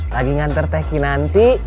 lagi nganter teh kinanti